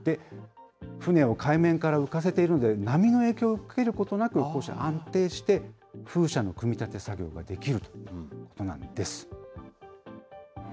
船を海面から浮かせているので、波の影響を受けることなく、こうした安定した風車の組み立て作業ができるということなんです。